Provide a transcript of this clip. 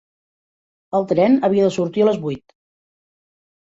El tren havia de sortir a les vuit